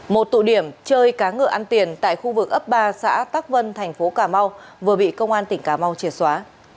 một tụ điểm chơi cá ngựa ăn tiền tại khu vực ấp ba xã tắc vân thành phố cà mau vừa bị công an tỉnh cà mau triệt xóa